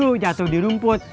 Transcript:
gua mau kudu jatuh di rumput